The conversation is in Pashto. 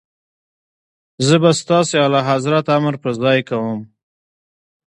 زه به ستاسي اعلیحضرت امر پر ځای کوم.